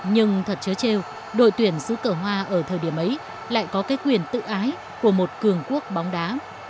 nhưng thật chớ trêu đội tuyển dưới cờ hoa ở thời điểm ấy lại có cái quyền tự ái của một cường quốc bóng đá